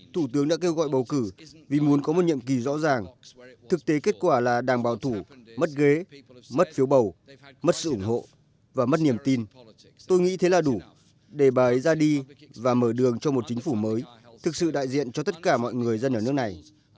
thủ tướng đã kêu gọi bầu cử vì muốn có một nhiệm kỳ rõ ràng thực tế kết quả là đảng bảo thủ mất ghế mất phiếu bầu mất sự ủng hộ và mất niềm tin tôi nghĩ thế là đủ để bài ra đi và mở đường cho một chính phủ mới thực sự đại diện cho tất cả mọi người dân ở nước này